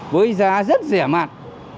với giá rất rẻ mạt